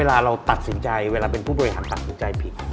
แล้วเป็นผู้บริหารตัดสินใจผิด